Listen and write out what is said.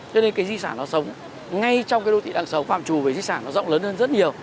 cho nên cái di sản nó sống ngay trong cái đô thị đang sống phạm trù về di sản nó rộng lớn hơn rất nhiều